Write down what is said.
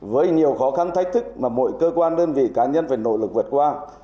với nhiều khó khăn thách thức mà mỗi cơ quan đơn vị cá nhân phải nỗ lực vượt qua